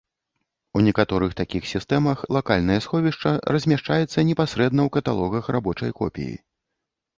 У некаторых такіх сістэмах лакальнае сховішча змяшчаецца непасрэдна ў каталогах рабочай копіі.